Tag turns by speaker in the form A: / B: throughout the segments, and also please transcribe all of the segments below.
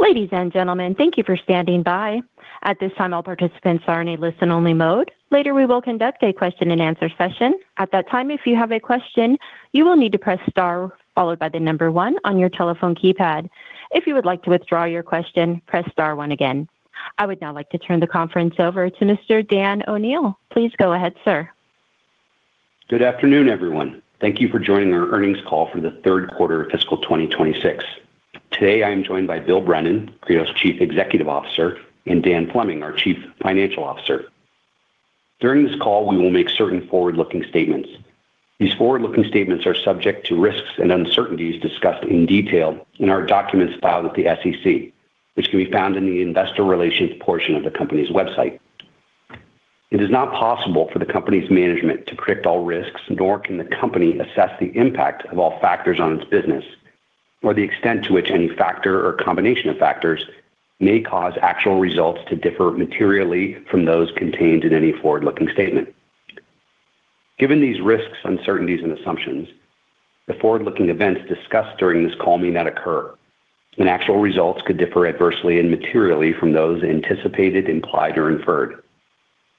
A: Ladies and gentlemen, thank you for standing by. At this time, all participants are in a listen-only mode. Later, we will conduct a question-and-answer session. At that time, if you have a question, you will need to press star followed by one on your telephone keypad. If you would like to withdraw your question, press star one again. I would now like to turn the conference over to Mr. Dan O'Neil. Please go ahead, sir.
B: Good afternoon, everyone. Thank you for joining our earnings call for the third quarter of fiscal 2026. Today, I am joined by Bill Brennan, Credo's Chief Executive Officer, and Dan Fleming, our Chief Financial Officer. During this call, we will make certain forward-looking statements. These forward-looking statements are subject to risks and uncertainties discussed in detail in our documents filed with the SEC, which can be found in the investor relations portion of the company's website. It is not possible for the company's management to predict all risks, nor can the company assess the impact of all factors on its business or the extent to which any factor or combination of factors may cause actual results to differ materially from those contained in any forward-looking statement. Given these risks, uncertainties and assumptions, the forward-looking events discussed during this call may not occur and actual results could differ adversely and materially from those anticipated, implied or inferred.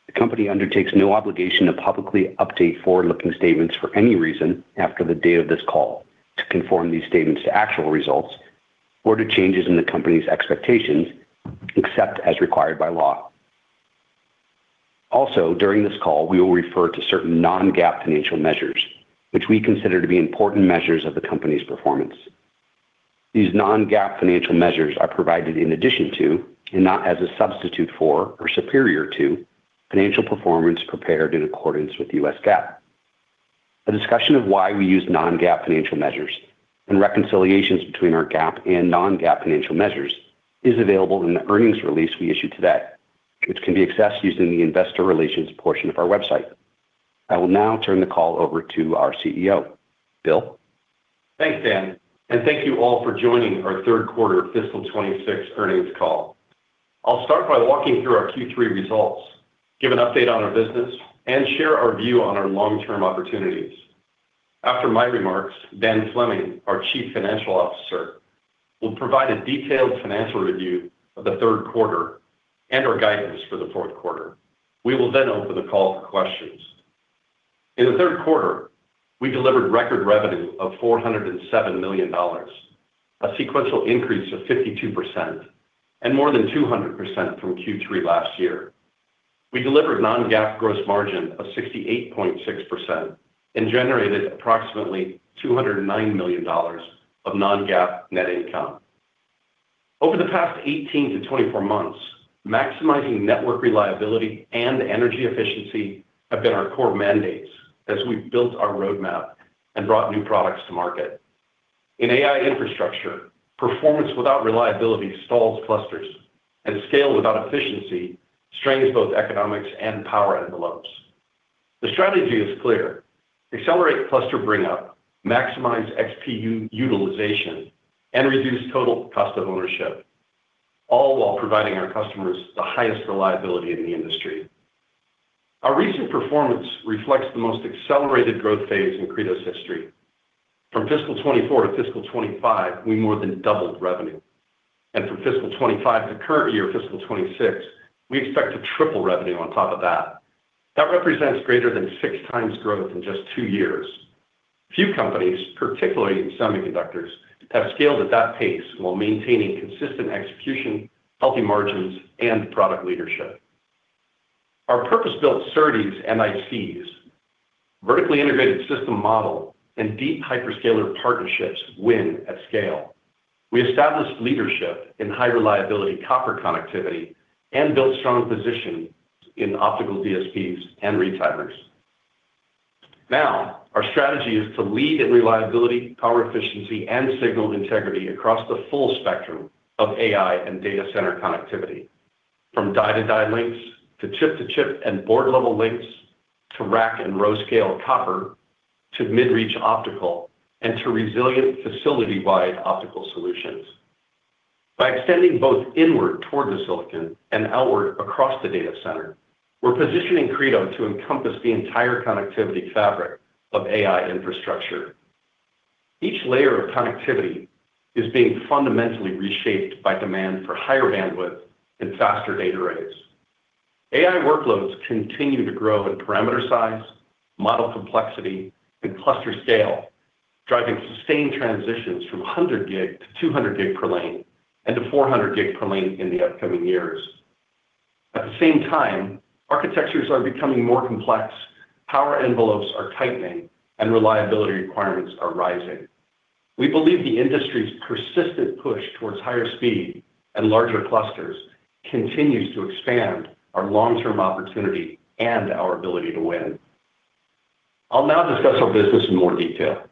B: The company undertakes no obligation to publicly update forward-looking statements for any reason after the date of this call to conform these statements to actual results or to changes in the company's expectations, except as required by law. Also, during this call, we will refer to certain non-GAAP financial measures, which we consider to be important measures of the company's performance. These non-GAAP financial measures are provided in addition to, and not as a substitute for or superior to, financial performance prepared in accordance with the US GAAP. A discussion of why we use non-GAAP financial measures and reconciliations between our GAAP and non-GAAP financial measures is available in the earnings release we issued today, which can be accessed using the investor relations portion of our website. I will now turn the call over to our CEO. Bill?
C: Thanks, Dan, and thank you all for joining our third quarter fiscal 2026 earnings call. I'll start by walking through our third quarter results, give an update on our business, and share our view on our long-term opportunities. After my remarks, Dan Fleming, our Chief Financial Officer, will provide a detailed financial review of the third quarter and our guidance for the fourth quarter. We will open the call for questions. In the third quarter, we delivered record revenue of $407 million, a sequential increase of 52% and more than 200% from third quarter last year. We delivered non-GAAP gross margin of 68.6% and generated approximately $209 million of non-GAAP net income. Over the past 18 to 24 months, maximizing network reliability and energy efficiency have been our core mandates as we've built our roadmap and brought new products to market. In AI infrastructure, performance without reliability stalls clusters, and scale without efficiency strains both economics and power envelopes. The strategy is clear. Accelerate cluster bring up, maximize XPU utilization, and reduce total cost of ownership, all while providing our customers the highest reliability in the industry. Our recent performance reflects the most accelerated growth phase in Credo's history. From fiscal 2024 to fiscal 2025, we more than doubled revenue. From fiscal 2025 to current year fiscal 2026, we expect to triple revenue on top of that. That represents greater than 6x growth in just two years. Few companies, particularly in semiconductors, have scaled at that pace while maintaining consistent execution, healthy margins, and product leadership. Our purpose-built SerDes and ICs, vertically integrated system model and deep hyperscaler partnerships win at scale. We established leadership in high reliability copper connectivity and built strong position in optical DSPs and retimers. Now, our strategy is to lead in reliability, power efficiency, and signal integrity across the full spectrum of AI and data center connectivity, from die-to-die links to chip-to-chip and board-level links, to rack and row scale copper, to mid-reach optical and to resilient facility-wide optical solutions. By extending both inward toward the silicon and outward across the data center, we're positioning Credo to encompass the entire connectivity fabric of AI infrastructure. Each layer of connectivity is being fundamentally reshaped by demand for higher bandwidth and faster data rates. AI workloads continue to grow in parameter size, model complexity, and cluster scale, driving sustained transitions from 100 gig to 200 gig per lane and to 400 gig per lane in the upcoming years. At the same time, architectures are becoming more complex, power envelopes are tightening, and reliability requirements are rising. We believe the industry's persistent push towards higher speed and larger clusters continues to expand our long-term opportunity and our ability to win. I'll now discuss our business in more detail.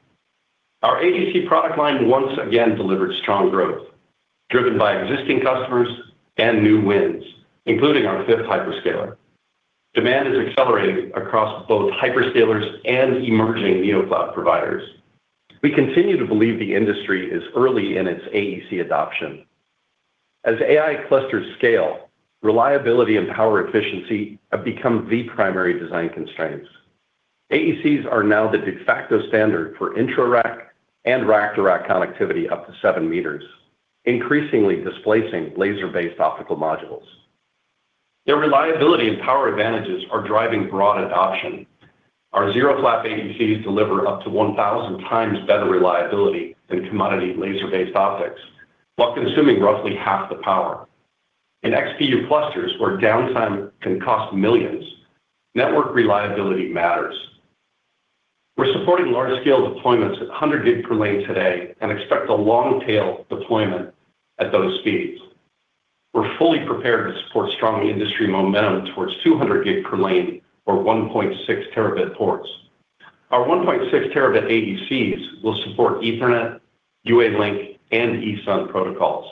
C: Our AEC product line once again delivered strong growth driven by existing customers and new wins, including our fifth hyperscaler. Demand is accelerating across both hyperscalers and emerging neocloud providers. We continue to believe the industry is early in its AEC adoption. As AI clusters scale, reliability and power efficiency have become the primary design constraints. AECs are now the de facto standard for intra-rack and rack-to-rack connectivity up to seven meters, increasingly displacing laser-based optical modules. Their reliability and power advantages are driving broad adoption. Our ZeroFlap AECs deliver up to 1,000x better reliability than commodity laser-based optics, while consuming roughly half the power. In XPU clusters where downtime can cost $millions, network reliability matters. We're supporting large-scale deployments at 100 gig per lane today and expect a long-tail deployment at those speeds. We're fully prepared to support strong industry momentum towards 200 gig per lane or 1.6 terabit ports. Our 1.6 terabit AECs will support Ethernet, UALink, and ESUN protocols.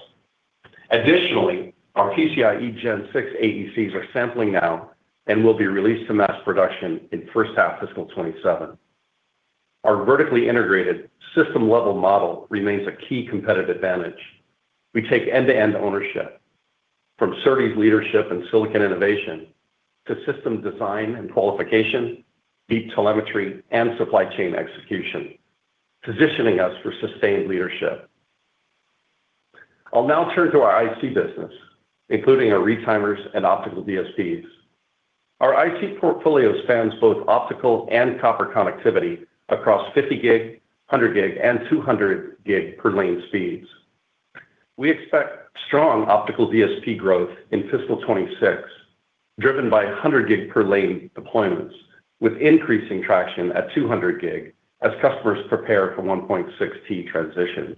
C: Additionally, our PCIe 6.0 AECs are sampling now and will be released to mass production in first half fiscal 2027. Our vertically integrated system-level model remains a key competitive advantage. We take end-to-end ownership from SerDes leadership and silicon innovation to system design and qualification, deep telemetry, and supply chain execution, positioning us for sustained leadership. I'll now turn to our IC business, including our retimers and optical DSPs. Our IC portfolio spans both optical and copper connectivity across 50 gig, 100 gig, and 200 gig per lane speeds. We expect strong optical DSP growth in fiscal 2026, driven by 100 gig per lane deployments with increasing traction at 200 gig as customers prepare for 1.6T transitions.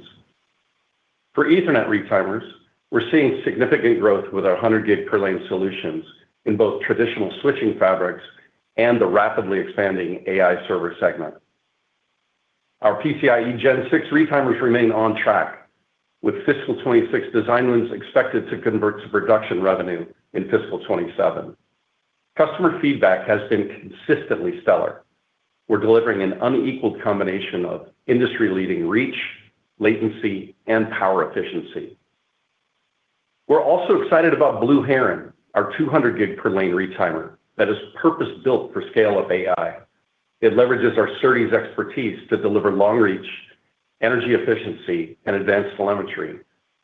C: For Ethernet retimers, we're seeing significant growth with our 100 gig per lane solutions in both traditional switching fabrics and the rapidly expanding AI server segment. Our PCIe Gen 6 retimers remain on track with fiscal 26 design wins expected to convert to production revenue in fiscal 2027. Customer feedback has been consistently stellar. We're delivering an unequaled combination of industry-leading reach, latency, and power efficiency. We're also excited about Blue Heron, our 200 gig per lane retimer that is purpose-built for scale of AI. It leverages our SerDes expertise to deliver long reach, energy efficiency, and advanced telemetry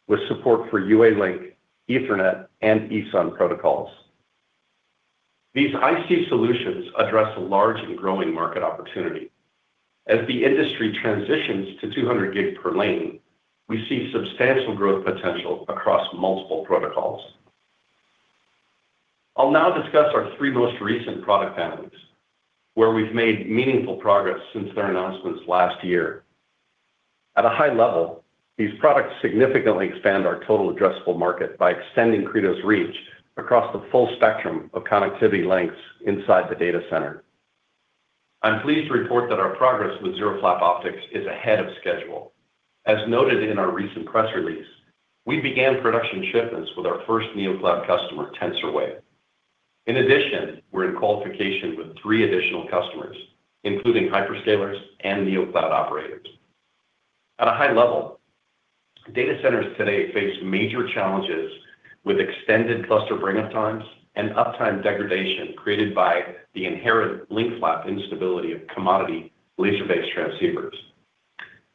C: with support for UALink, Ethernet, and ESUN protocols. These IC solutions address a large and growing market opportunity. As the industry transitions to 200 gig per lane, we see substantial growth potential across multiple protocols. I'll now discuss our three most recent product families, where we've made meaningful progress since their announcements last year. At a high level, these products significantly expand our total addressable market by extending Credo's reach across the full spectrum of connectivity lengths inside the data center. I'm pleased to report that our progress with ZeroFlap optics is ahead of schedule. As noted in our recent press release, we began production shipments with our first neocloud customer, TensorWave. In addition, we're in qualification with three additional customers, including hyperscalers and neocloud operators. At a high level, data centers today face major challenges with extended cluster bring-up times and uptime degradation created by the inherent link flap instability of commodity laser-based transceivers.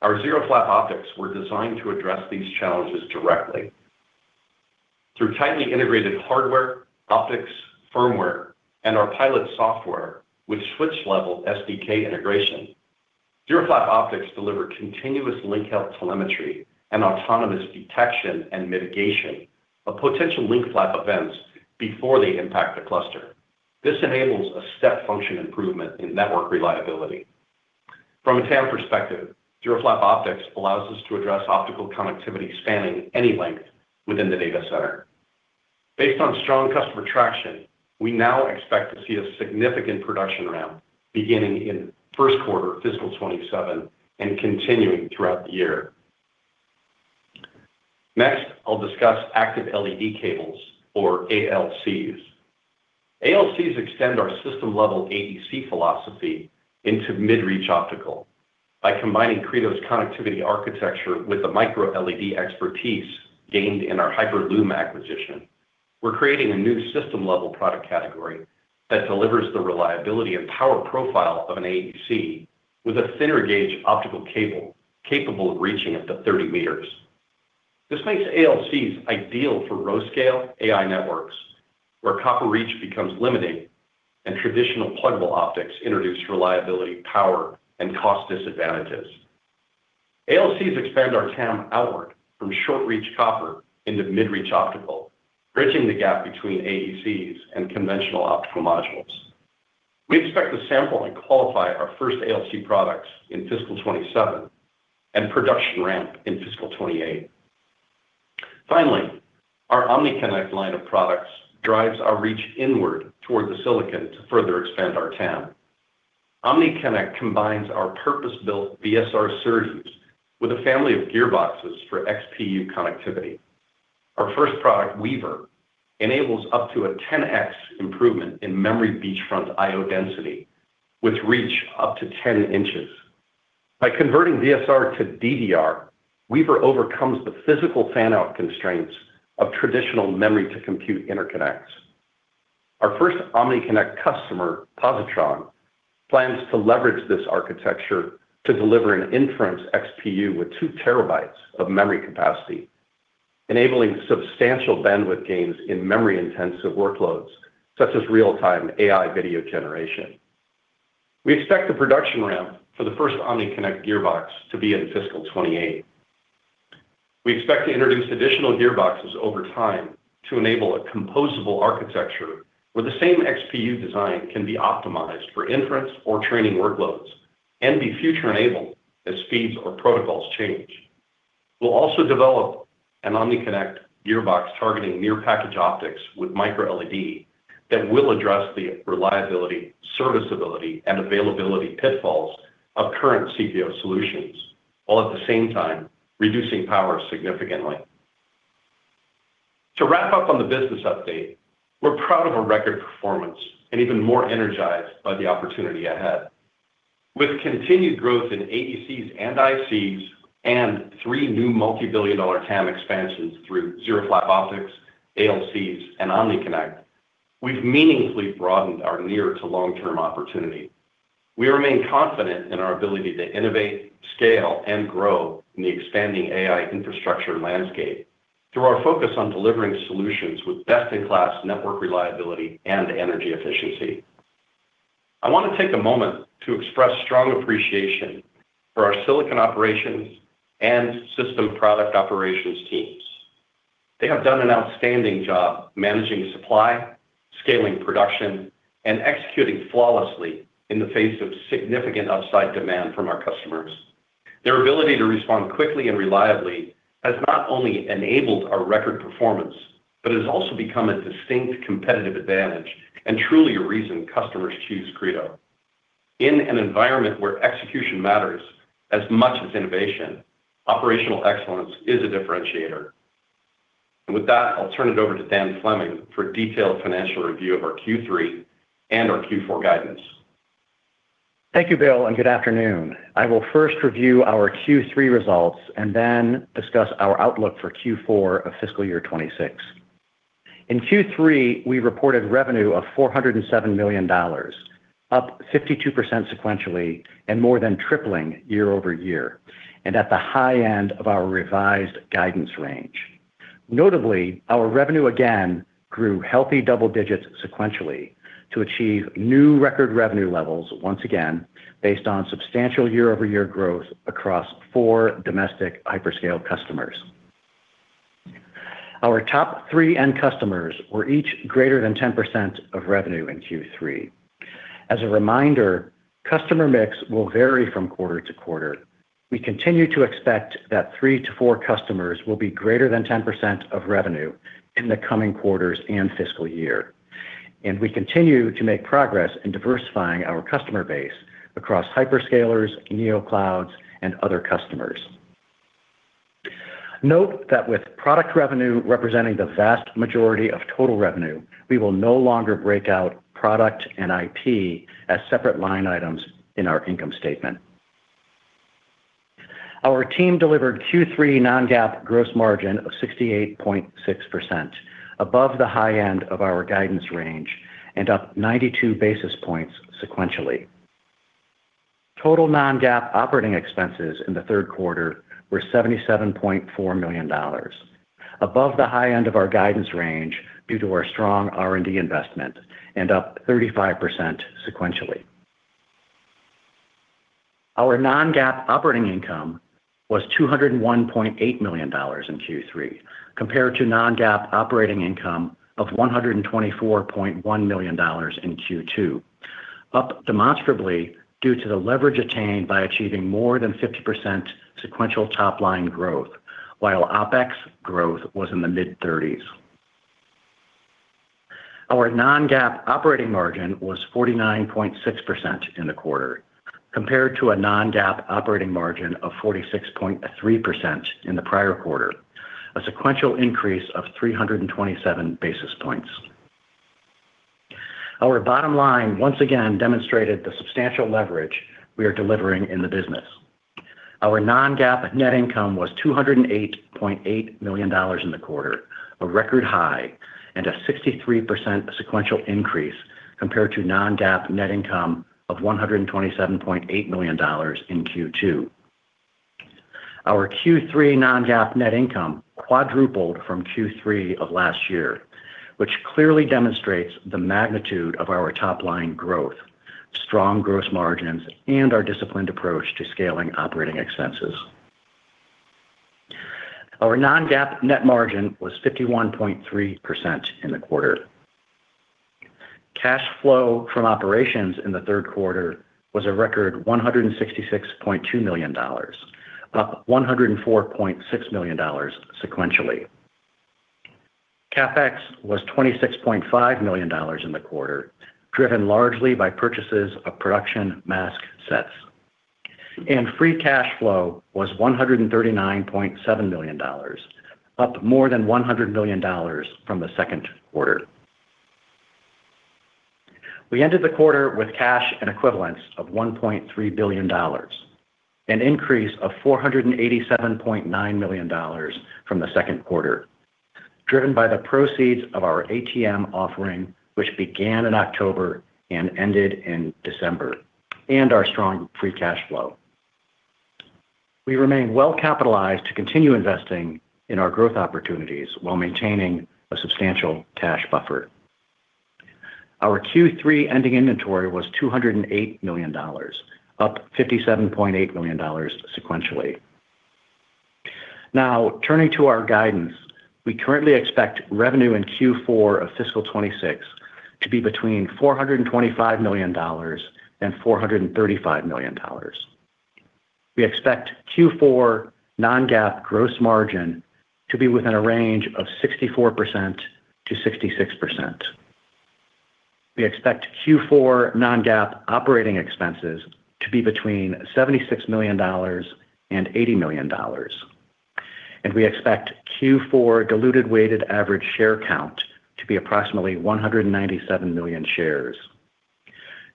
C: Our ZeroFlap optics were designed to address these challenges directly. Through tightly integrated hardware, optics, firmware, and our pilot software with switch-level SDK integration, ZeroFlap optics deliver continuous link health telemetry and autonomous detection and mitigation of potential link flap events before they impact the cluster. This enables a step function improvement in network reliability. From a TAM perspective, ZeroFlap optics allows us to address optical connectivity spanning any length within the data center. Based on strong customer traction, we now expect to see a significant production ramp beginning in first quarter fiscal 2027 and continuing throughout the year. I'll discuss Active LED Cables or ALCs. ALCs extend our system-level AEC philosophy into mid-reach optical. By combining Credo's connectivity architecture with the MicroLED expertise gained in our Hyperlume acquisition, we're creating a new system-level product category that delivers the reliability and power profile of an AEC with a thinner gauge optical cable capable of reaching up to 30 meters. This makes ALCs ideal for row-scale AI networks where copper reach becomes limiting and traditional pluggable optics introduce reliability, power, and cost disadvantages. ALCs expand our TAM outward from short-reach copper into mid-reach optical, bridging the gap between AECs and conventional optical modules. We expect to sample and qualify our first ALC products in fiscal 2027 and production ramp in fiscal 2028. Our OmniConnect line of products drives our reach inward toward the silicon to further expand our TAM. OmniConnect combines our purpose-built VSR SerDes with a family of gearboxes for XPU connectivity. Our first product, Weaver, enables up to a 10x improvement in memory beachfront IO density with reach up to 10 inches. By converting SDR to DDR, Weaver overcomes the physical fan-out constraints of traditional memory-to-compute interconnects. Our first OmniConnect customer, Positron, plans to leverage this architecture to deliver an inference XPU with 2TB of memory capacity, enabling substantial bandwidth gains in memory-intensive workloads, such as real-time AI video generation. We expect the production ramp for the first OmniConnect gearbox to be in fiscal 2028. We expect to introduce additional gearboxes over time to enable a composable architecture where the same XPU design can be optimized for inference or training workloads and be future-enabled as speeds or protocols change. We'll also develop an OmniConnect gearbox targeting near package optics with MicroLED that will address the reliability, serviceability, and availability pitfalls of current CPO solutions, while at the same time reducing power significantly. To wrap up on the business update, we're proud of our record performance and even more energized by the opportunity ahead. With continued growth in AECs and ICs and three new multi-billion-dollar TAM expansions through ZeroFlap optics, ALCs, and OmniConnect, we've meaningfully broadened our near to long-term opportunity. We remain confident in our ability to innovate, scale, and grow in the expanding AI infrastructure landscape through our focus on delivering solutions with best-in-class network reliability and energy efficiency. I want to take a moment to express strong appreciation for our silicon operations and system product operations teams. They have done an outstanding job managing supply, scaling production, and executing flawlessly in the face of significant upside demand from our customers. Their ability to respond quickly and reliably has not only enabled our record performance, but has also become a distinct competitive advantage and truly a reason customers choose Credo. In an environment where execution matters as much as innovation, operational excellence is a differentiator. With that, I'll turn it over to Dan Fleming for a detailed financial review of our third quarter and our fourth quarter guidance.
D: Thank you, Bill. Good afternoon. I will first review our third quarter results and then discuss our outlook for fourth quarter of fiscal year 2026. In third quarter, we reported revenue of $407 million, up 52% sequentially and more than tripling year-over-year, and at the high end of our revised guidance range. Notably, our revenue again grew healthy double digits sequentially to achieve new record revenue levels once again based on substantial year-over-year growth across four domestic hyperscale customers. Our top three end customers were each greater than 10% of revenue in third quarter. As a reminder, customer mix will vary from quarter-to-quarter. We continue to expect that three to four customers will be greater than 10% of revenue in the coming quarters and fiscal year. We continue to make progress in diversifying our customer base across hyperscalers, neoclouds, and other customers. Note that with product revenue representing the vast majority of total revenue, we will no longer break out product and IP as separate line items in our income statement. Our team delivered third quarter non-GAAP gross margin of 68.6%, above the high end of our guidance range and up 92 basis points sequentially. Total non-GAAP operating expenses in the third quarter were $77.4 million, above the high end of our guidance range due to our strong R&D investment and up 35% sequentially. Our non-GAAP operating income was $201.8 million in third quarter, compared to non-GAAP operating income of $124.1 million in second quarter, up demonstrably due to the leverage attained by achieving more than 50% sequential top line growth, while OPEX growth was in the mid-30%. Our non-GAAP operating margin was 49.6% in the quarter, compared to a non-GAAP operating margin of 46.3% in the prior quarter, a sequential increase of 327 basis points. Our bottom line once again demonstrated the substantial leverage we are delivering in the business. Our non-GAAP net income was $208.8 million in the quarter, a record high and a 63% sequential increase compared to non-GAAP net income of $127.8 million in second quarter. Our third quarter non-GAAP net income quadrupled from third quarter of last year, which clearly demonstrates the magnitude of our top line growth, strong gross margins, and our disciplined approach to scaling operating expenses. Our non-GAAP net margin was 51.3% in the quarter. Cash flow from operations in the third quarter was a record $166.2 million, up $104.6 million sequentially. CapEx was $26.5 million in the quarter, driven largely by purchases of production mask sets. Free cash flow was $139.7 million, up more than $100 million from the second quarter. We ended the quarter with cash and equivalents of $1.3 billion, an increase of $487.9 million from the second quarter, driven by the proceeds of our ATM offering, which began in October and ended in December, and our strong free cash flow. We remain well capitalized to continue investing in our growth opportunities while maintaining a substantial cash buffer. Our third quarter ending inventory was $208 million, up $57.8 million sequentially. Turning to our guidance, we currently expect revenue in fourth quarter of fiscal 2026 to be between $425 million and $435 million. We expect fourth quarter non-GAAP gross margin to be within a range of 64% to 66%. We expect fourth quarter non-GAAP operating expenses to be between $76 million and $80 million. We expect fourth quarter diluted weighted average share count to be approximately 197 million shares.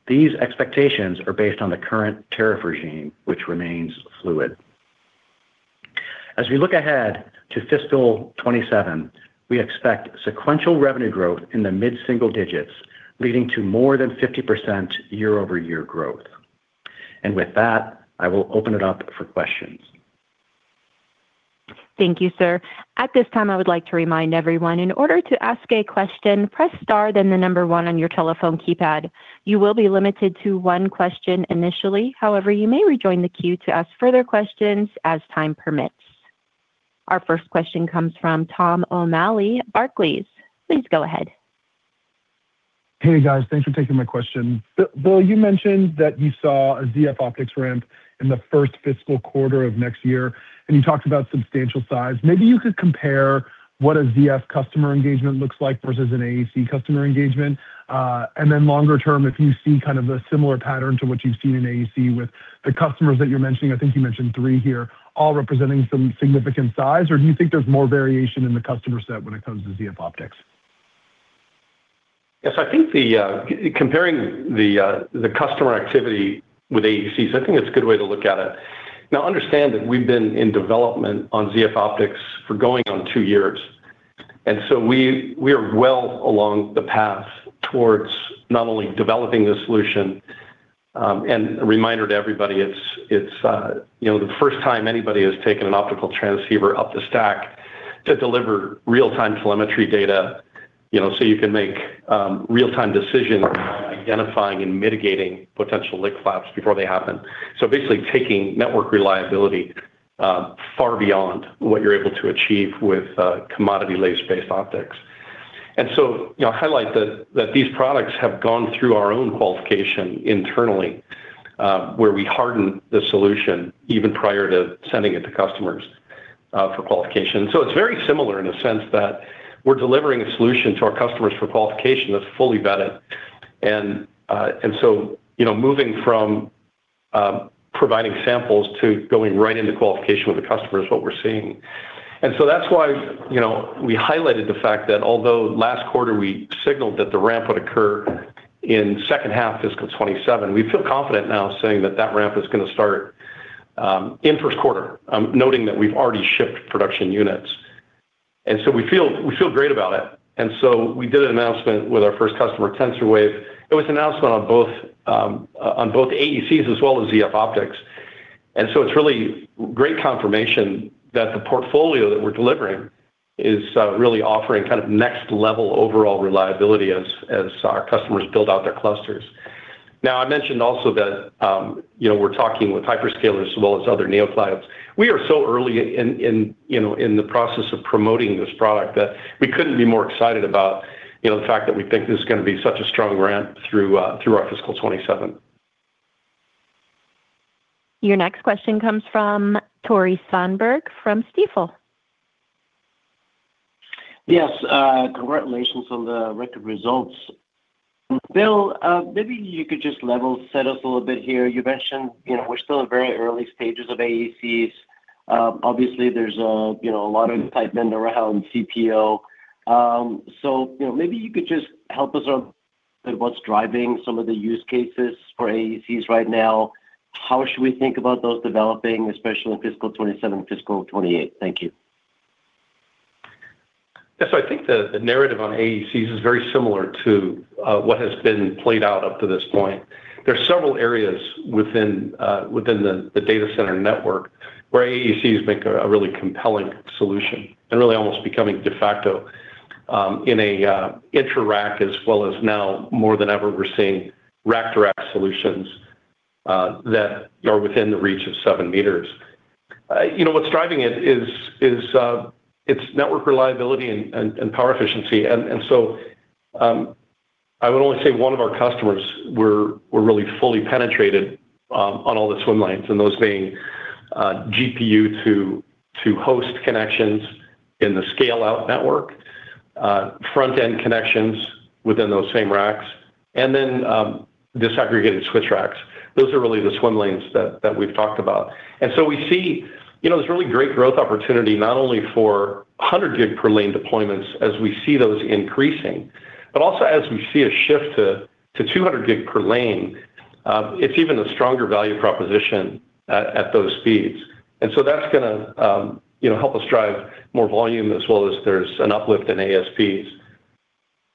D: These expectations are based on the current tariff regime, which remains fluid. As we look ahead to fiscal 2027, we expect sequential revenue growth in the mid-single digits, leading to more than 50% year-over-year growth. With that, I will open it up for questions.
A: Thank you, sir. At this time, I would like to remind everyone in order to ask a question, press star then the number one on your telephone keypad. You will be limited to one question initially. However, you may rejoin the queue to ask further questions as time permits. Our first question comes from Tom O'Malley, Barclays. Please go ahead.
E: Hey, guys. Thanks for taking my question. Bill, you mentioned that you saw a ZeroFlap optics ramp in the first fiscal quarter of next year, and you talked about substantial size. Maybe you could compare what a ZF customer engagement looks like versus an AEC customer engagement. Then longer term, if you see kind of a similar pattern to what you've seen in AEC with the customers that you're mentioning, I think you mentioned three here, all representing some significant size or do you think there's more variation in the customer set when it comes to ZeroFlap optics?
C: Yes, I think the comparing the the customer activity with AECs, I think it's a good way to look at it. Now understand that we've been in development on ZeroFlap optics for going on two years. We, we are well along the path towards not only developing the solution, and a reminder to everybody it's, you know, the first time anybody has taken an optical transceiver up the stack to deliver real-time telemetry data, you know, so you can make real-time decisions identifying and mitigating potential link flaps before they happen. Basically taking network reliability, far beyond what you're able to achieve with commodity laser-based optics. I highlight that these products have gone through our own qualification internally, where we harden the solution even prior to sending it to customers, for qualification. It's very similar in a sense that we're delivering a solution to our customers for qualification that's fully vetted and, you know, moving from providing samples to going right into qualification with the customer is what we're seeing. That's why, you know, we highlighted the fact that although last quarter we signaled that the ramp would occur in second half fiscal 2027, we feel confident now saying that that ramp is going to start in first quarter, noting that we've already shipped production units. We feel great about it. We did an announcement with our first customer, TensorWave. It was an announcement on both on both AECs as well as ZeroFlap optics. It's really great confirmation that the portfolio that we're delivering is really offering kind of next level overall reliability as our customers build out their clusters. I mentioned also that, you know, we're talking with hyperscalers as well as other neocloud. We are so early in, you know, in the process of promoting this product that we couldn't be more excited about, you know, the fact that we think this is going to be such a strong ramp through our fiscal 2027.
A: Your next question comes from Tore Svanberg from Stifel.
F: Yes, congratulations on the record results. Bill, maybe you could just level set us a little bit here. You mentioned, you know, we're still in very early stages of AECs. Obviously there's a, you know, a lot of excitement around CPO. You know, maybe you could just help us on what's driving some of the use cases for AECs right now. How should we think about those developing, especially in fiscal 2027, fiscal 2028? Thank you.
C: Yes. I think the narrative on AECs is very similar to what has been played out up to this point. There's several areas within the data center network where AECs make a really compelling solution and really almost becoming de facto in a intra-rack as well as now more than ever we're seeing rack direct solutions that are within the reach of seven meters. You know, what's driving it is it's network reliability and power efficiency. I would only say one of our customers we're really fully penetrated on all the swim lanes and those being GPU to host connections in the scale-out network, front-end connections within those same racks, and then disaggregated switch racks. Those are really the swim lanes that we've talked about. We see, you know, this really great growth opportunity, not only for 100 gig per lane deployments as we see those increasing, but also as we see a shift to 200 gig per lane, it's even a stronger value proposition at those speeds. That's gonna, you know, help us drive more volume as well as there's an uplift in ASPs.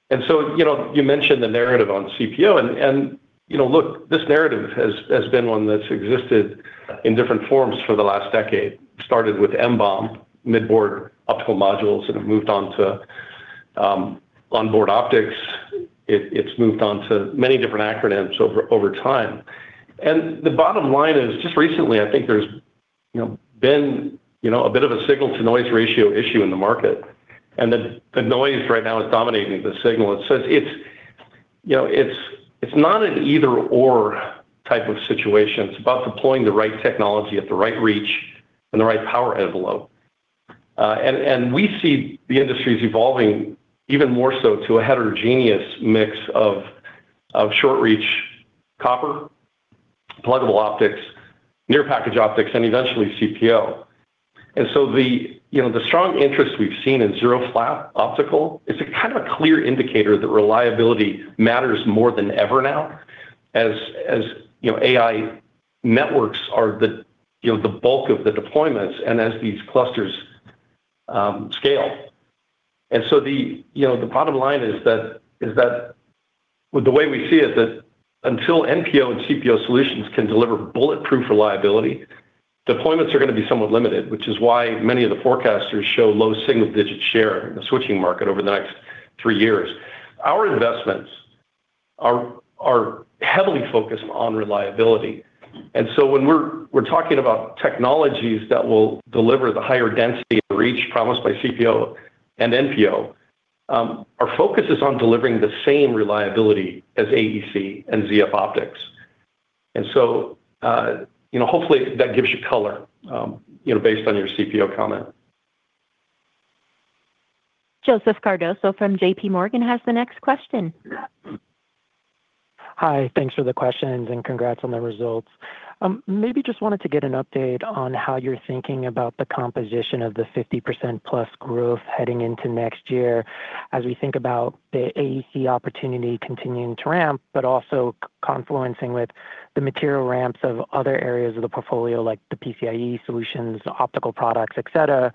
C: You know, you mentioned the narrative on CPO and, you know, look, this narrative has been one that's existed in different forms for the last decade, started with MBOM, Mid-Board Optical Modules, and it moved on to onboard optics. It's moved on to many different acronyms over time. The bottom line is, just recently, I think there's, you know, been, you know, a bit of a signal to noise ratio issue in the market. The, the noise right now is dominating the signal. It's, it's, you know, it's not an either/or type of situation. It's about deploying the right technology at the right reach and the right power envelope. We see the industries evolving even more so to a heterogeneous mix of short reach copper, pluggable optics, near package optics, and eventually CPO. The, you know, the strong interest we've seen in ZeroFlap optical is a kind of a clear indicator that reliability matters more than ever now as, you know, AI networks are the, you know, the bulk of the deployments and as these clusters scale. The, you know, the bottom line is that with the way we see it, that until NPO and CPO solutions can deliver bulletproof reliability, deployments are gonna be somewhat limited, which is why many of the forecasters show low single digit share in the switching market over the next three years. Our investments are heavily focused on reliability. When we're talking about technologies that will deliver the higher density and reach promised by CPO and NPO, our focus is on delivering the same reliability as AEC and ZF optics. You know, hopefully that gives you color, you know, based on your CPO comment.
A: Joseph Cardoso from JPMorgan has the next question.
G: Hi. Thanks for the questions, and congrats on the results. Maybe just wanted to get an update on how you're thinking about the composition of the 50% plus growth heading into next year as we think about the AEC opportunity continuing to ramp, but also confluencing with the material ramps of other areas of the portfolio, like the PCIe solutions, the optical products, et cetera.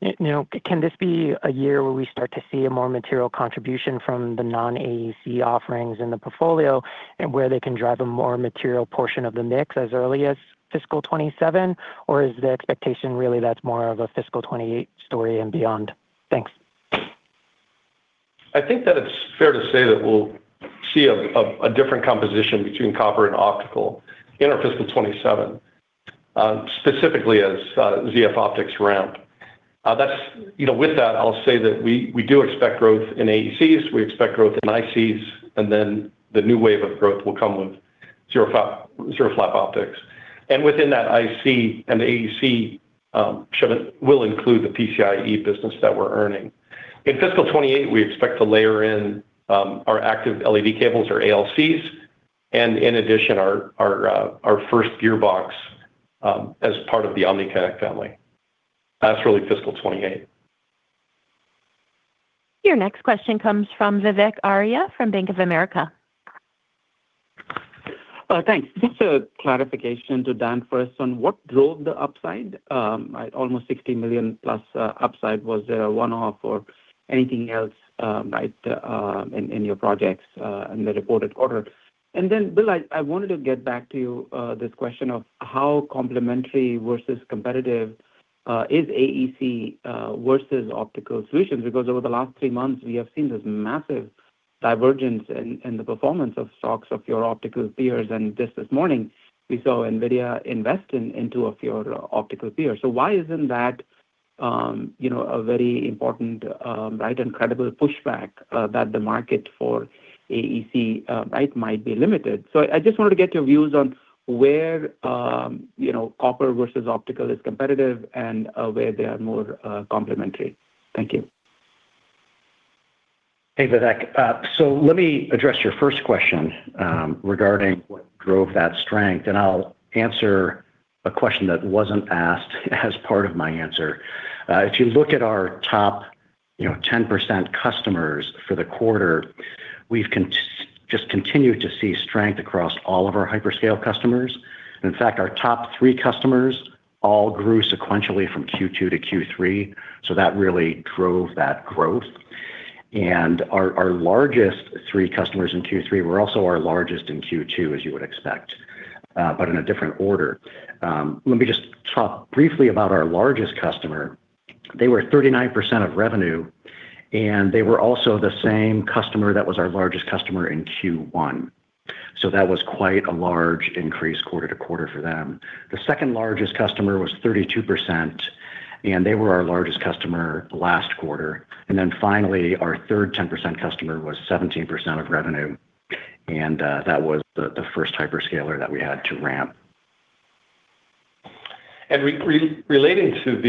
G: You know, can this be a year where we start to see a more material contribution from the non-AEC offerings in the portfolio and where they can drive a more material portion of the mix as early as fiscal 2027? Or is the expectation really that's more of a fiscal 2028 story and beyond? Thanks.
C: I think that it's fair to say that we'll see a different composition between copper and optical in our fiscal 2027, specifically as ZeroFlap optics ramp. You know, with that, I'll say that we do expect growth in AECs, we expect growth in ICs, and then the new wave of growth will come with ZeroFlap optics. Within that IC and the AEC shipment will include the PCIe business that we're earning. In fiscal 2028, we expect to layer in our Active LED Cables or ALCs and in addition our first gearbox as part of the OmniConnect family. That's really fiscal 2028.
A: Your next question comes from Vivek Arya from Bank of America.
H: Thanks. Just a clarification to Dan first on what drove the upside. Almost $60 million plus, upside. Was there a one-off or anything else by the in your projects in the reported quarter? Then, Bill, I wanted to get back to you, this question of how complementary versus competitive, is AEC, versus optical solutions? Because over the last three months, we have seen this massive divergence in the performance of stocks of your optical peers, and just this morning we saw Nvidia invest into a few of your optical peers. Why isn't that, you know, a very important, right and credible pushback, that the market for AEC, right, might be limited? I just wanted to get your views on where, you know, copper versus optical is competitive and where they are more complementary? Thank you.
D: Hey, Vivek. Let me address your first question regarding what drove that strength, and I'll answer a question that wasn't asked as part of my answer. If you look at our top, you know, 10% customers for the quarter, we've just continued to see strength across all of our hyperscale customers. In fact, our top three customers all grew sequentially from second quarter to third quarter, that really drove that growth. Our largest three customers in third quarter were also our largest in second quarter, as you would expect, but in a different order. Let me just talk briefly about our largest customer. They were 39% of revenue, they were also the same customer that was our largest customer in first quarter. That was quite a large increase quarter to quarter for them. The second largest customer was 32%. They were our largest customer last quarter. Finally, our third 10% customer was 17% of revenue, and that was the first hyperscaler that we had to ramp.
C: Relating to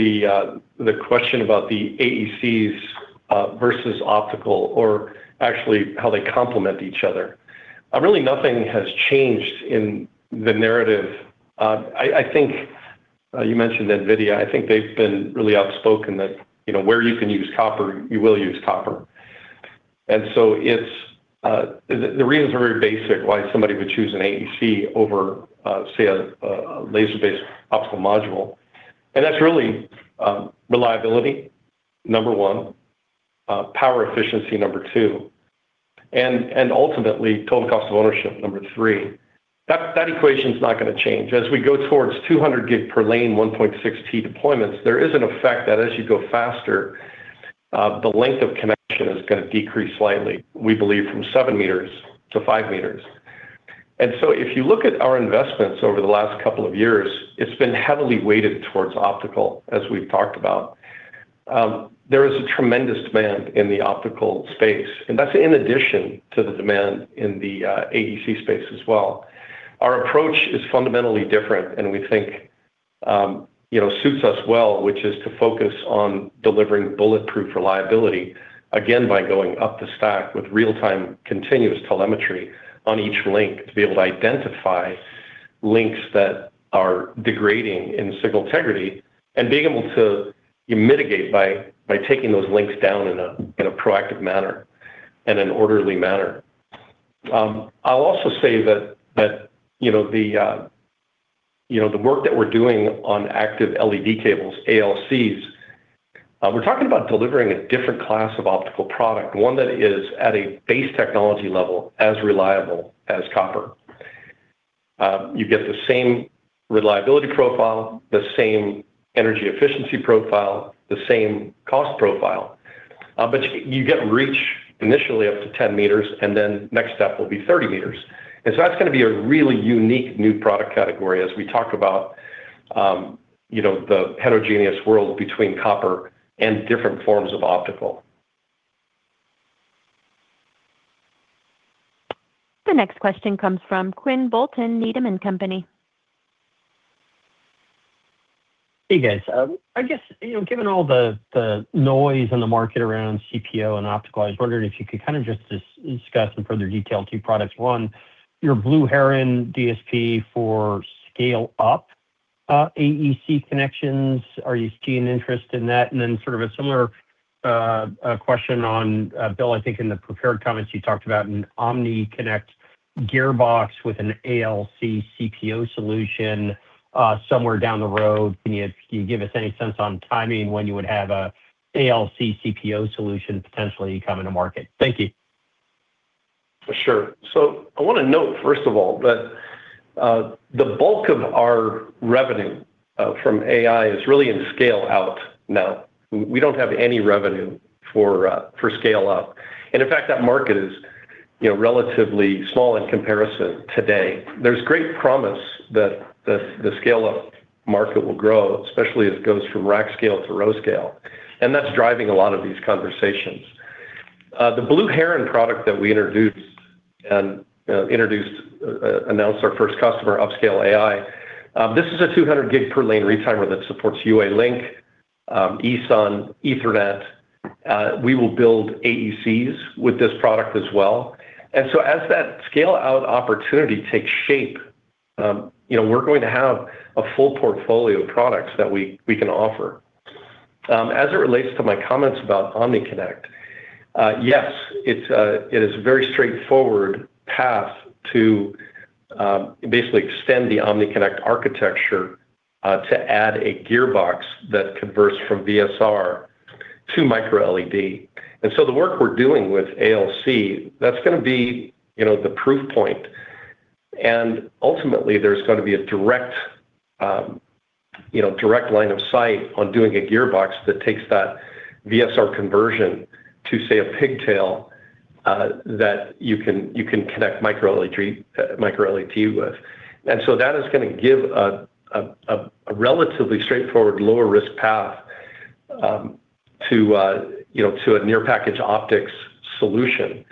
C: the question about the AECs versus optical, or actually how they complement each other, really nothing has changed in the narrative. I think you mentioned Nvidia, I think they've been really outspoken that, you know, where you can use copper, you will use copper. The reason is very basic why somebody would choose an AEC over, say, a laser-based optical module. That's really reliability, number one, power efficiency, number two, and ultimately total cost of ownership, number three. That equation's not gonna change. As we go towards 200 gig per lane, 1.6T deployments, there is an effect that as you go faster, the length of connection is gonna decrease slightly, we believe, from seven meters to five meters. If you look at our investments over the last couple of years, it's been heavily weighted towards optical, as we've talked about. There is a tremendous demand in the optical space, and that's in addition to the demand in the AEC space as well. Our approach is fundamentally different, and we think, you know, suits us well, which is to focus on delivering bulletproof reliability, again, by going up the stack with real-time continuous telemetry on each link to be able to identify links that are degrading in signal integrity, and being able to mitigate by taking those links down in a proactive manner and an orderly manner. I'll also say that, you know, the, you know, the work that we're doing on Active LED Cables, ALCs, we're talking about delivering a different class of optical product, one that is at a base technology level as reliable as copper. You get the same reliability profile, the same energy efficiency profile, the same cost profile, but you get reach initially up to 10 meters, and then next step will be 30 meters. That's gonna be a really unique new product category as we talk about, you know, the heterogeneous world between copper and different forms of optical.
A: The next question comes from Quinn Bolton, Needham & Company.
I: Hey, guys. I guess, you know, given all the noise in the market around CPO and optical, I was wondering if you could kind of just discuss in further detail two products. One, your Blue Heron DSP for scale-up, AEC connections. Are you seeing interest in that? Sort of a similar question on, Bill, I think in the prepared comments you talked about an OmniConnect gearbox with an ALC CPO solution, somewhere down the road. Can you give us any sense on timing when you would have a ALC CPO solution potentially coming to market? Thank you.
C: Sure. I wanna note first of all that the bulk of our revenue from AI is really in scale-out now. We don't have any revenue for scale-up. In fact, that market is, you know, relatively small in comparison today. There's great promise that the scale-up market will grow, especially as it goes from rack scale to row scale, and that's driving a lot of these conversations. The Blue Heron product that we introduced and announced our first customer, Upscale AI, this is a 200 gig per lane retimer that supports UALink, ESUN, Ethernet. We will build AECs with this product as well. As that scale-out opportunity takes shape, you know, we're going to have a full portfolio of products that we can offer. As it relates to my comments about OmniConnect, yes, it is a very straightforward path to basically extend the OmniConnect architecture to add a gearbox that converts from VSR to MicroLED. The work we're doing with ALC, that's gonna be, you know, the proof point. Ultimately, there's gonna be a direct, you know, direct line of sight on doing a gearbox that takes that VSR conversion to, say, a pigtail that you can connect MicroLED with. That is gonna give a relatively straightforward lower risk path to, you know, to a near package optics solution.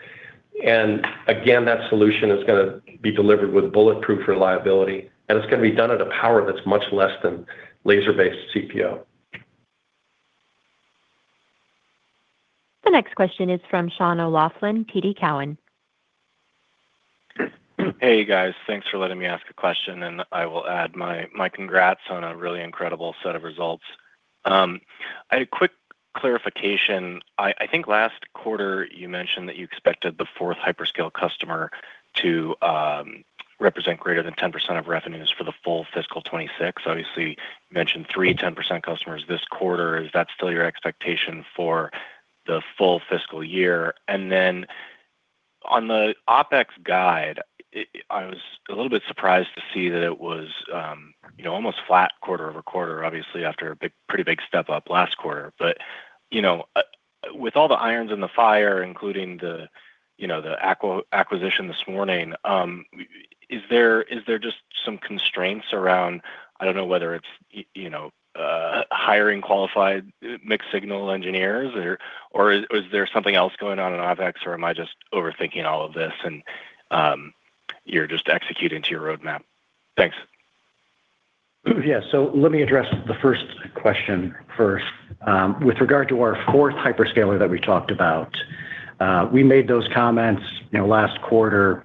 C: Again, that solution is gonna be delivered with bulletproof reliability, and it's gonna be done at a power that's much less than laser-based CPO.
A: The next question is from Sean O'Loughlin, TD Cowen.
J: Hey, you guys. Thanks for letting me ask a question, I will add my congrats on a really incredible set of results. A quick clarification. I think last quarter you mentioned that you expected the fourth hyperscale customer to represent greater than 10% of revenues for the full fiscal 2026. Obviously, you mentioned three 10% customers this quarter. Is that still your expectation for the full fiscal year? On the OpEx guide, I was a little bit surprised to see that it was, you know, almost flat quarter-over-quarter, obviously after a pretty big step up last quarter. You know, with all the irons in the fire, including the acquisition this morning, is there just some constraints around, I don't know whether it's, you know, Hiring qualified mixed signal engineers or is there something else going on in OpEx, or am I just overthinking all of this and, you're just executing to your roadmap? Thanks.
C: Yeah. Let me address the first question first. With regard to our fourth hyperscaler that we talked about, we made those comments, you know, last quarter.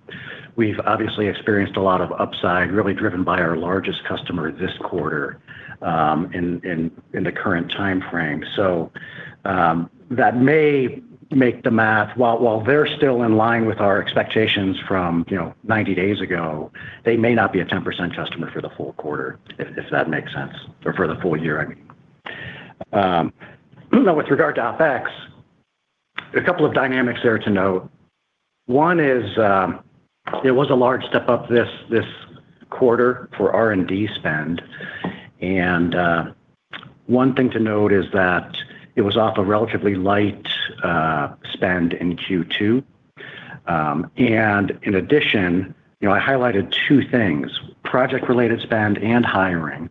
C: We've obviously experienced a lot of upside really driven by our largest customer this quarter, in the current time frame. That may make the math, while they're still in line with our expectations from, you know, 90 days ago, they may not be a 10% customer for the full quarter, if that makes sense, or for the full year, I mean. With regard to OpEx, a couple of dynamics there to note. One is, there was a large step up this quarter for R&D spend. One thing to note is that it was off a relatively light spend in second quarter. In addition, you know, I highlighted two things: project-related spend and hiring.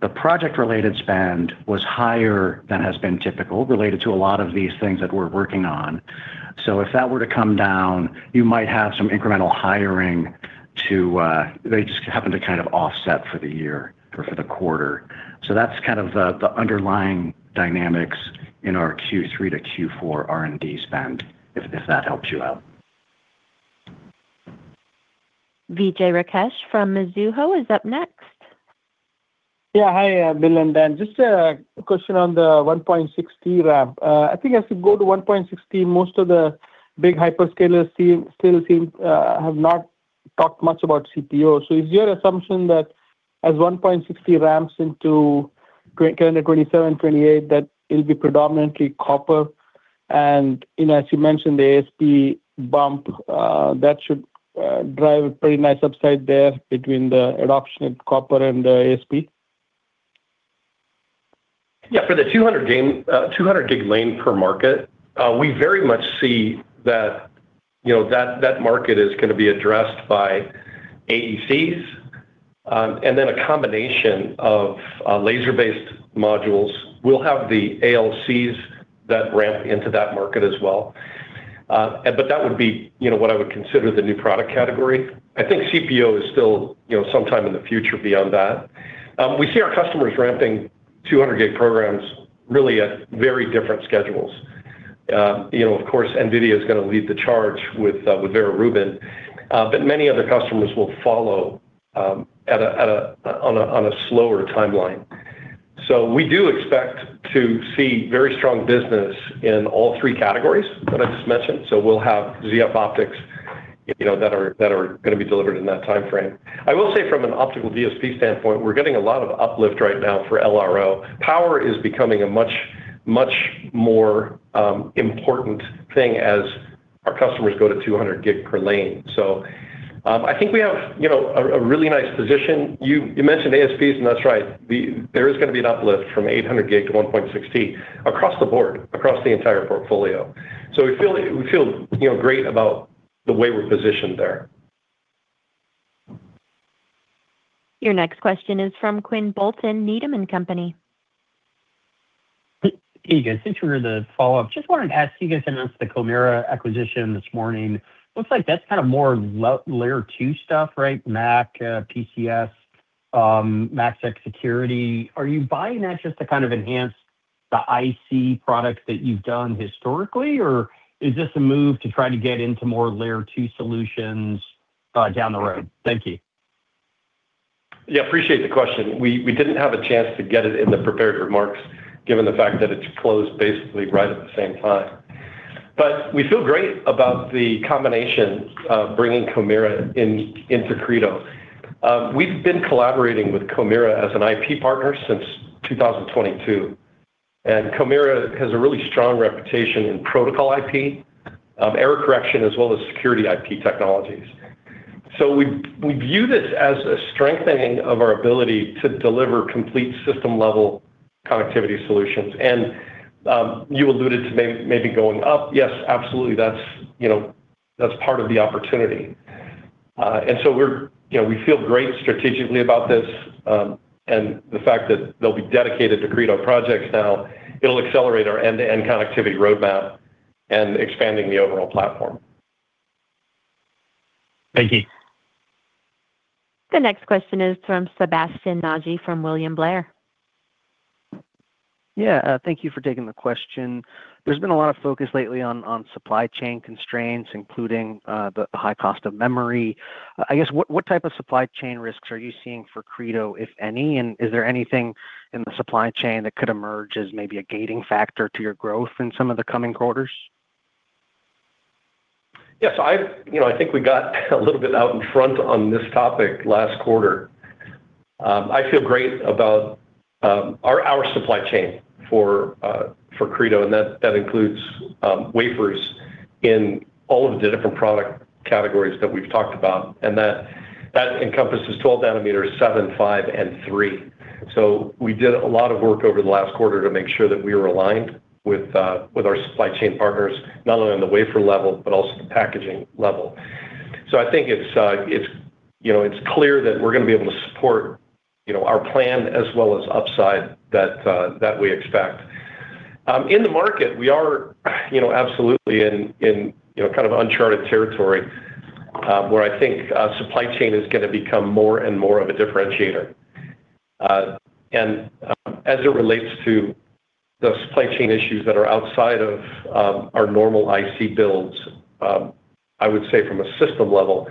C: The project-related spend was higher than has been typical, related to a lot of these things that we're working on. If that were to come down, you might have some incremental hiring to, they just happen to kind of offset for the year or for the quarter. That's kind of the underlying dynamics in our third quarter to fourth quarter R&D spend, if that helps you out.
A: Vijay Rakesh from Mizuho is up next.
K: Yeah. Hi, Bill and Dan. Just a question on the 1.6T ramp. I think as you go to 1.6T, most of the big hyperscalers still seem have not talked much about CPO. Is your assumption that as 1.6T ramps into calendar 2027, 2028, that it'll be predominantly copper? You know, as you mentioned, the ASP bump, that should drive a pretty nice upside there between the adoption of copper and the ASP.
C: Yeah. For the 200 gig lane per market, we very much see that, you know, that market is gonna be addressed by AECs, and then a combination of laser-based modules. We'll have the ALCs that ramp into that market as well. That would be, you know, what I would consider the new product category. I think CPO is still, you know, sometime in the future beyond that. We see our customers ramping 200 gig programs really at very different schedules. You know, of course, Nvidia is gonna lead the charge with Vera Rubin, many other customers will follow on a slower timeline. We do expect to see very strong business in all three categories that I just mentioned. We'll have ZF optics, you know, that are gonna be delivered in that time frame. I will say from an optical DSP standpoint, we're getting a lot of uplift right now for LRO. Power is becoming a much, much more important thing as our customers go to 200 gig per lane. I think we have, you know, a really nice position. You, you mentioned ASPs, and that's right. There is gonna be an uplift from 800 gig to 1.6 T across the board, across the entire portfolio. We feel, you know, great about the way we're positioned there.
A: Your next question is from Quinn Bolton, Needham & Company.
I: Hey, guys. Since we're the follow-up, just wanted to ask, you guys announced the Comera acquisition this morning. Looks like that's kind of more layer two stuff, right? MAC, PCS, MACsec security. Are you buying that just to kind of enhance the IC products that you've done historically, or is this a move to try to get into more layer two solutions down the road? Thank you.
C: Appreciate the question. We didn't have a chance to get it in the prepared remarks given the fact that it closed basically right at the same time. We feel great about the combination of bringing Comera into Credo. We've been collaborating with Comera as an IP partner since 2022, Comera has a really strong reputation in protocol IP, error correction, as well as security IP technologies. We view this as a strengthening of our ability to deliver complete system-level connectivity solutions. You alluded to maybe going up. Yes, absolutely. That's, you know, that's part of the opportunity. You know, we feel great strategically about this, the fact that they'll be dedicated to Credo projects now, it'll accelerate our end-to-end connectivity roadmap and expanding the overall platform.
I: Thank you.
A: The next question is from Sebastien Naji from William Blair.
L: Yeah. Thank you for taking the question. There's been a lot of focus lately on supply chain constraints, including the high cost of memory. I guess, what type of supply chain risks are you seeing for Credo, if any? Is there anything in the supply chain that could emerge as maybe a gating factor to your growth in some of the coming quarters?
C: Yeah. You know, I think we got a little bit out in front on this topic last quarter. I feel great about our supply chain for Credo, and that includes wafers in all of the different product categories that we've talked about, and that encompasses 12 nanometers, seven, five, and three. We did a lot of work over the last quarter to make sure that we were aligned with our supply chain partners, not only on the wafer level, but also the packaging level. I think it's, you know, it's clear that we're gonna be able to support, you know, our plan as well as upside that we expect. In the market, we are, you know, absolutely in, you know, kind of uncharted territory, where I think supply chain is gonna become more and more of a differentiator. As it relates to the supply chain issues that are outside of our normal IC builds, I would say from a system level,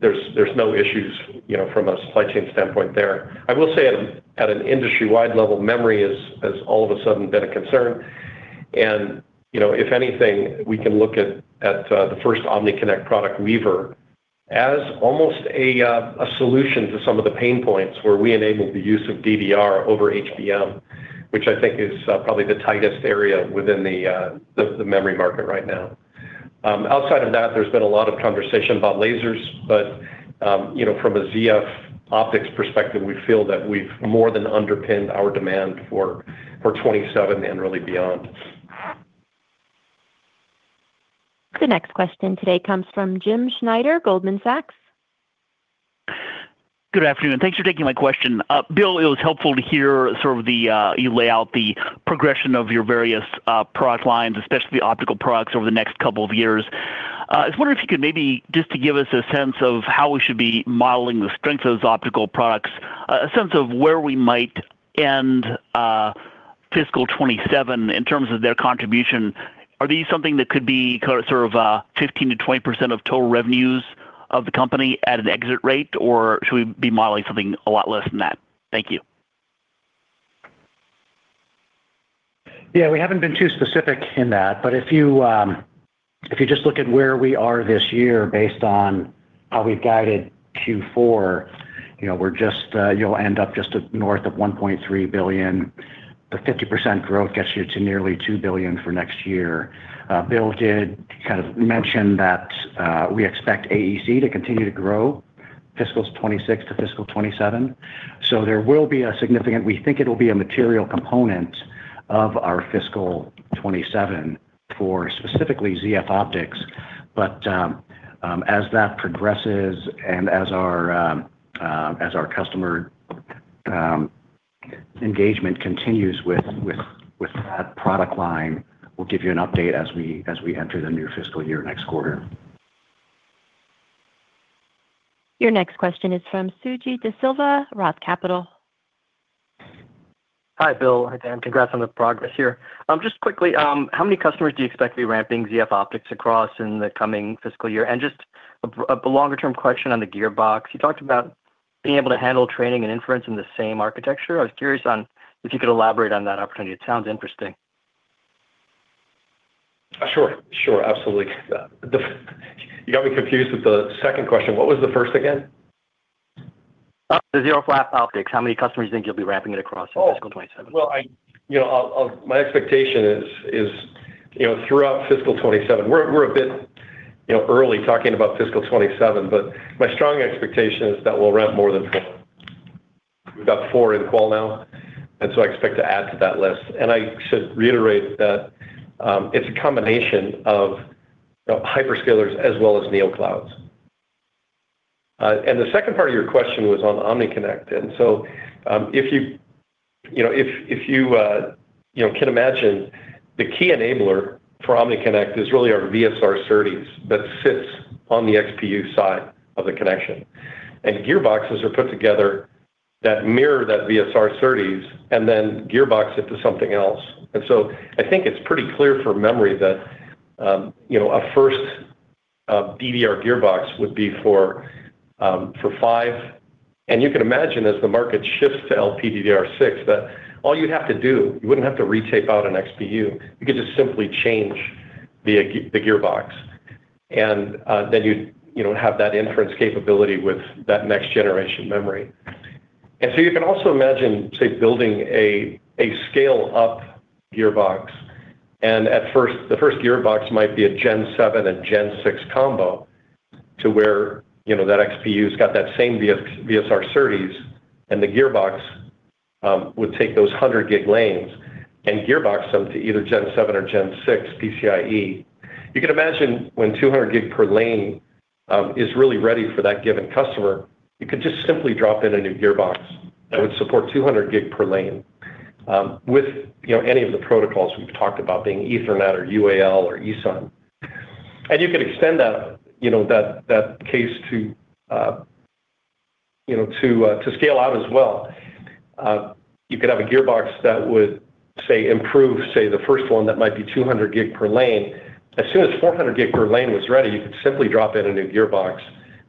C: there's no issues, you know, from a supply chain standpoint there. I will say at an industry-wide level, memory has all of a sudden been a concern. You know, if anything, we can look at the first OmniConnect product Weaver as almost a solution to some of the pain points where we enable the use of DDR over HBM, which I think is probably the tightest area within the memory market right now. Outside of that, there's been a lot of conversation about lasers. You know, from a ZeroFlap optics perspective, we feel that we've more than underpinned our demand for 2027 and really beyond.
A: The next question today comes from Jim Schneider, Goldman Sachs.
M: Good afternoon. Thanks for taking my question. Bill, it was helpful to hear sort of the, you lay out the progression of your various product lines, especially the optical products over the next couple of years. I was wondering if you could maybe just to give us a sense of how we should be modeling the strength of those optical products, a sense of where we might end fiscal 2027 in terms of their contribution. Are these something that could be sort of 15% to 20% of total revenues of the company at an exit rate, or should we be modeling something a lot less than that? Thank you.
D: Yeah, we haven't been too specific in that. If you just look at where we are this year based on how we've guided fourth quarter, you know, you'll end up just north of $1.3 billion. The 50% growth gets you to nearly $2 billion for next year. Bill did kind of mention that we expect AEC to continue to grow fiscal 2026 to fiscal 2027. We think it'll be a material component of our fiscal 2027 for specifically ZeroFlap optics. As that progresses and as our customer engagement continues with that product line, we'll give you an update as we enter the new fiscal year next quarter.
A: Your next question is from Suji Desilva, Roth Capital.
N: Hi, Bill. Hi, Dan. Congrats on the progress here. Just quickly, how many customers do you expect to be ramping ZeroFlap optics across in the coming fiscal year? Just a longer-term question on the gearbox. You talked about being able to handle training and inference in the same architecture. I was curious on if you could elaborate on that opportunity. It sounds interesting.
C: Sure. Sure. Absolutely. You got me confused with the second question. What was the first again?
N: The ZeroFlap optics, how many customers you think you'll be ramping it across in fiscal 2027?
C: Well, you know, my expectation is, you know, throughout fiscal 2027, we're a bit, you know, early talking about fiscal 2027, but my strong expectation is that we'll ramp more than four. We've got four in the call now. I expect to add to that list. I should reiterate that it's a combination of hyperscalers as well as neoclouds. The second part of your question was on OmniConnect. If you know, if you know, can imagine the key enabler for OmniConnect is really our VSR SerDes that sits on the XPU side of the connection. Gearboxes are put together that mirror that VSR SerDes and then gearbox it to something else. I think it's pretty clear for memory that a first DDR gearbox would be for five. You can imagine as the market shifts to LPDDR6, that all you'd have to do, you wouldn't have to retake out an XPU, you could just simply change the gearbox, then you'd have that inference capability with that next generation memory. You can also imagine, say, building a scale-up gearbox, and at first the first gearbox might be a Gen 7 and Gen 6 combo to where that XPU's got that same VSR SerDes and the gearbox would take those 100 gig lanes and gearbox them to either Gen 7 or Gen 6 PCIe. You can imagine when 200 gig per lane is really ready for that given customer, you could just simply drop in a new gearbox that would support 200 gig per lane, with, you know, any of the protocols we've talked about being Ethernet or UAL or ESUN. You could extend that, you know, that case to, you know, to scale out as well. You could have a gearbox that would, say, improve, say, the first one that might be 200 gig per lane. As soon as 400 gig per lane was ready, you could simply drop in a new gearbox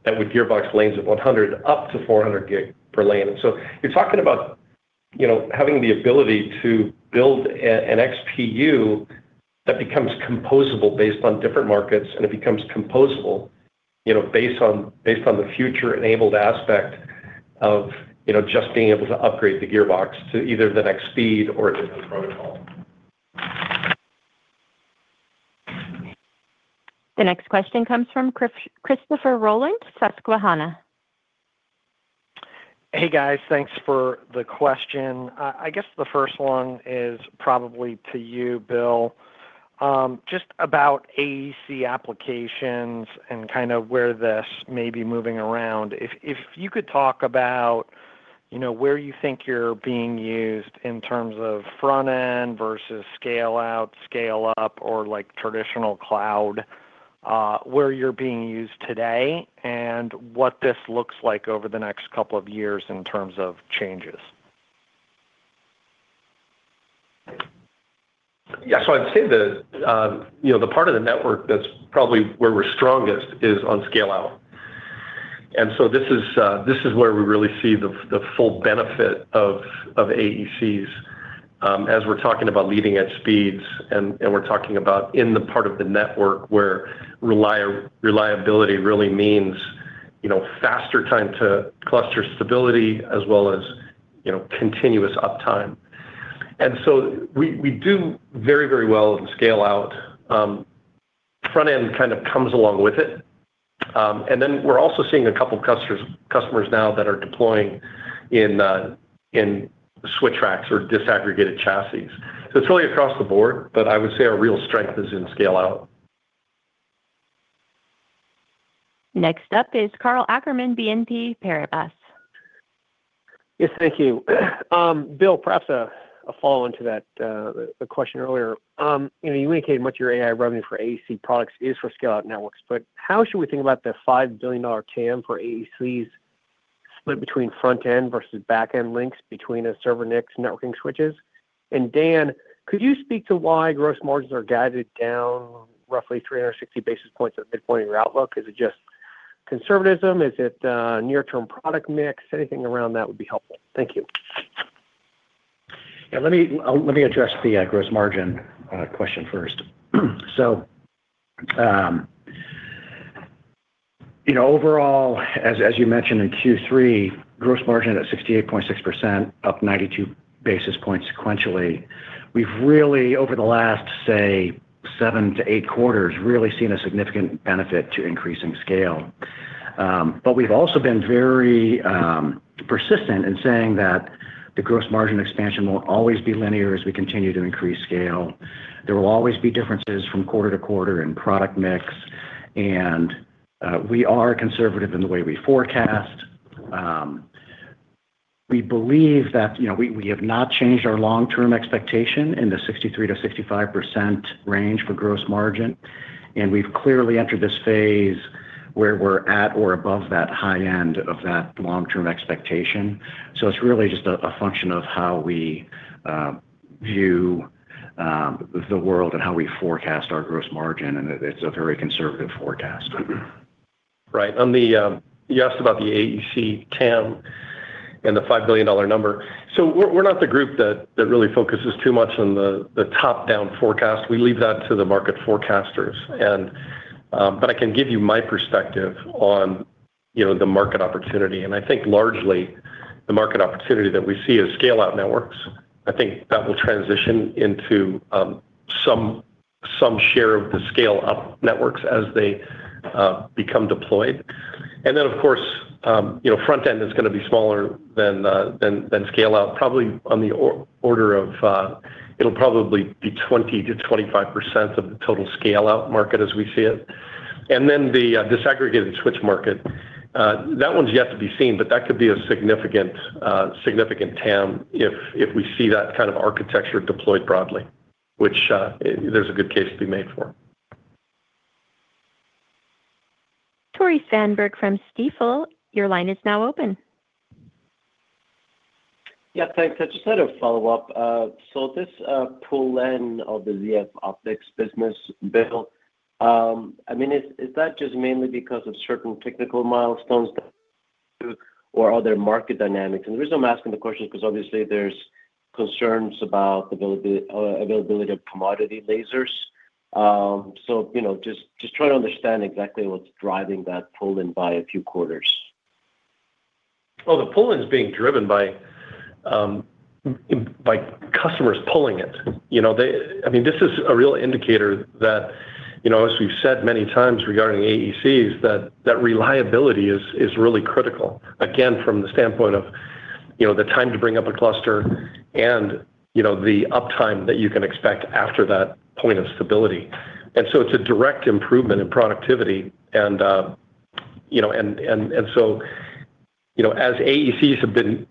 C: that would gearbox lanes of 100 up to 400 gig per lane. You're talking about, you know, having the ability to build an XPU that becomes composable based on different markets, and it becomes composable, you know, based on the future-enabled aspect of, you know, just being able to upgrade the gearbox to either the next speed or a different protocol.
A: The next question comes from Christopher Rolland, Susquehanna.
O: Hey guys, thanks for the question. I guess the first one is probably to you, Bill. Just about AEC applications and kinda where this may be moving around. If you could talk about, you know, where you think you're being used in terms of front-end versus scale-out, scale-up, or like traditional cloud, where you're being used today and what this looks like over the next couple of years in terms of changes.
C: I'd say the, you know, the part of the network that's probably where we're strongest is on scale-out. This is where we really see the full benefit of AECs as we're talking about leading-edge speeds and we're talking about in the part of the network where reliability really means, you know, faster time to cluster stability as well as, you know, continuous uptime. We do very, very well in scale-out. Front-end kind of comes along with it. We're also seeing a couple customers now that are deploying in switch racks or disaggregated chassis. It's really across the board, but I would say our real strength is in scale-out.
A: Next up is Karl Ackerman, BNP Paribas.
P: Yes. Thank you. Bill, perhaps a follow-on to that, the question earlier. You know, you indicated much of your AI revenue for AEC products is for scale-out networks, but how should we think about the $5 billion TAM for AECs split between front-end versus back-end links between a server NICs networking switches? Dan, could you speak to why gross margins are guided down roughly 360 basis points at midpoint in your outlook? Is it just conservatism? Is it near-term product mix? Anything around that would be helpful. Thank you.
D: Yeah, let me let me address the gross margin question first. You know, overall, as you mentioned in third quarter, gross margin at 68.6%, up 92 basis points sequentially. We've really, over the last, say, seven to eight quarters, really seen a significant benefit to increasing scale. We've also been very persistent in saying that the gross margin expansion won't always be linear as we continue to increase scale. There will always be differences from quarter to quarter in product mix, and we are conservative in the way we forecast. We believe that, you know, we have not changed our long-term expectation in the 63% to 65% range for gross margin, and we've clearly entered this phase where we're at or above that high end of that long-term expectation. It's really just a function of how we view the world and how we forecast our gross margin, and it's a very conservative forecast. Right. On the You asked about the AEC TAM and the $5 billion number. We're not the group that really focuses too much on the top-down forecast. We leave that to the market forecasters and, but I can give you my perspective on, you know, the market opportunity. I think largely the market opportunity that we see is scale-out networks. I think that will transition into some share of the scale-up networks as they become deployed. Of course, you know, front-end is gonna be smaller than scale-out, probably on the it'll probably be 20% to 25% of the total scale-out market as we see it. The disaggregated switch market, that one's yet to be seen, but that could be a significant TAM if we see that kind of architecture deployed broadly, which, there's a good case to be made for.
A: Tore Svanberg from Stifel, your line is now open.
F: Yeah, thanks. I just had a follow-up. This pull-in of the ZeroFlap optics business, Bill, I mean, is that just mainly because of certain technical milestones that or other market dynamics? The reason I'm asking the question because obviously there's concerns about availability of commodity lasers. You know, just trying to understand exactly what's driving that pull-in by a few quarters.
C: Well, the pull-in is being driven by customers pulling it. You know, I mean, this is a real indicator that, you know, as we've said many times regarding AECs, that reliability is really critical, again, from the standpoint of, you know, the time to bring up a cluster and, you know, the uptime that you can expect after that point of stability. So it's a direct improvement in productivity and, you know, and so, you know, as AECs have been,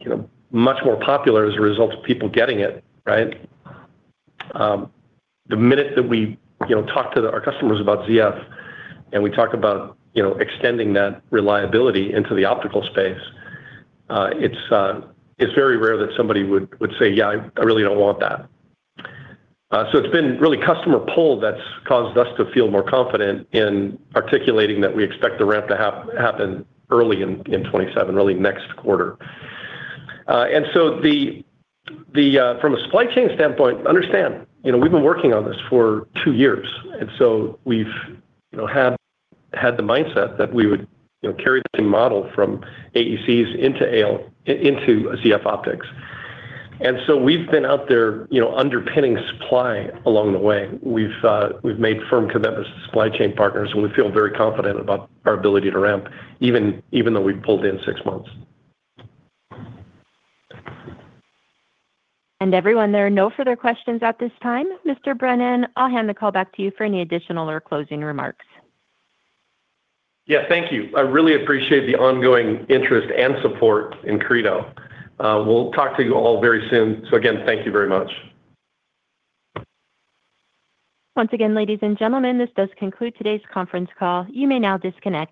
C: you know, much more popular as a result of people getting it, right? The minute that we, you know, talk to our customers about ZF and we talk about, you know, extending that reliability into the optical space, it's very rare that somebody would say, "Yeah, I really don't want that." It's been really customer pull that's caused us to feel more confident in articulating that we expect the ramp to happen early in 2027, early next quarter. From a supply chain standpoint, understand, you know, we've been working on this for two years, we've, you know, had the mindset that we would, you know, carry the same model from AECs into ZeroFlap optics. We've been out there, you know, underpinning supply along the way. We've made firm commitments to supply chain partners, and we feel very confident about our ability to ramp even though we've pulled in six months.
A: Everyone, there are no further questions at this time. Mr. Brennan, I'll hand the call back to you for any additional or closing remarks.
C: Yeah, thank you. I really appreciate the ongoing interest and support in Credo. We'll talk to you all very soon. Again, thank you very much.
A: Once again, ladies and gentlemen, this does conclude today's conference call. You may now disconnect.